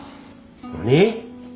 何！？